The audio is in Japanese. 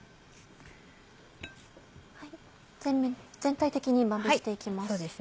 全体的にまぶして行きます。